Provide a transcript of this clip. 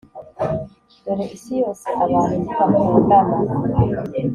Dore isi yose abantu ntibakundana